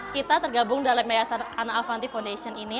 kita tergabung dalam yayasan ana avanti foundation ini